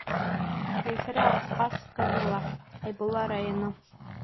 Земфира ҠАСҠЫНОВА, Хәйбулла районы: